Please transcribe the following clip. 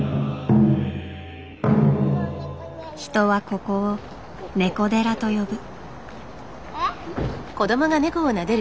人はここを「ねこ寺」と呼ぶ。